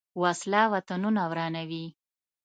وسله وطنونه ورانوي